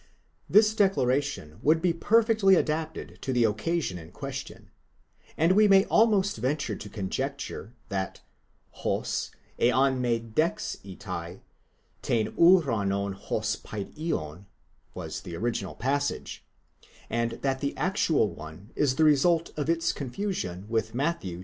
This declaration would be perfectly adapted to the occasion in question, and we may almost venture to conjecture that ὃς ἐὰν μὴ δέξηται τὴν βασιλείαν τῶν οὐρανῶν ὡς "παιδίον, was the original passage, and that the actual one is the result of its confusion with Matthew x.